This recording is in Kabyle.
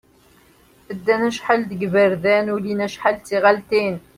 Ddan acḥal deg yiberdan, ulin acḥal d tiɣalin.